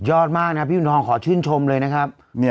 ยังไงยังไงยังไงยังไง